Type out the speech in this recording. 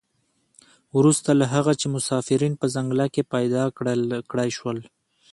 وروسته له هغه چې مسافرین په ځنګله کې پیاده کړای شول.